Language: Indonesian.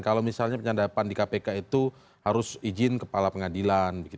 kalau misalnya penyadapan di kpk itu harus izin kepala pengadilan